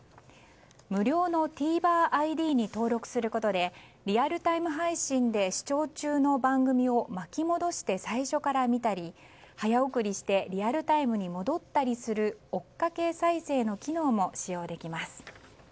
無料のＴＶｅｒＩＤに登録することでリアルタイム配信で視聴中の番組を巻き戻して最初から見たり早送りしてリアルタイムに戻ったりする追っかけ再生の機能も使用できます。